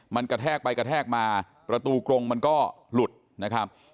มันกระแทกไปกระแทกมาประตูกรงมันก็หลุดนะครับ